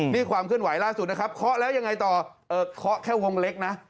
นี่ความเคลื่อนไหวล่าสุดนะครับเคาะแล้วยังไงต่อเคาะแค่วงเล็กนะ